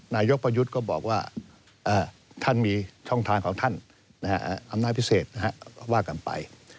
นายกประยุทธ์ก็บอกว่าท่านมีช่องทางของท่านอำนาจพิเศษว่ากันไป